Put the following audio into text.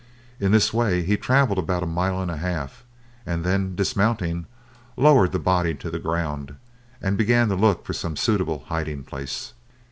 In this way he travelled about a mile and a half, and then dismounting, lowered the body to the ground, and began to look for some suitable hiding place.